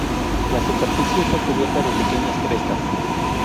Su superficie está cubierta de pequeñas crestas.